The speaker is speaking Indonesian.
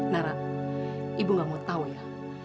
nara ibu gak mau tahu ya